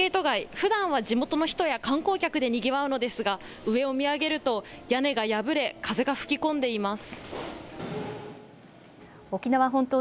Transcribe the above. ふだんは地元の人や観光客でにぎわうのですが上を見上げると屋根が破れ風が吹き込んでいます。